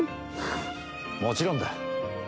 もちろんだ。